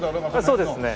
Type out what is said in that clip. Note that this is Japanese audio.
そうですね。